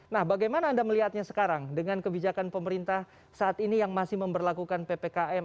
nah bagaimana anda melihatnya sekarang dengan kebijakan pemerintah saat ini yang masih memperlakukan ppkm